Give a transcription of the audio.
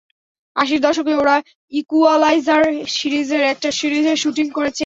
আশির দশকে ওরা ইকুয়ালাইজার সিরিজের একটা সিরিজের শুটিং করেছে এখানে।